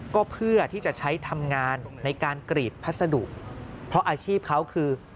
ก็เพื่อที่จะใช้ทำงานในการกรีดพัสดุเพราะอาชีพเขาคือ